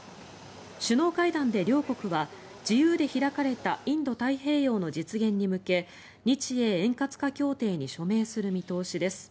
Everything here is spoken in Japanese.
首脳会談で両国は自由で開かれたインド太平洋の実現に向け日英円滑化協定に署名する見通しです。